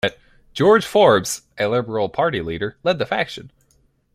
George Forbes, a Liberal Party leader, led the faction.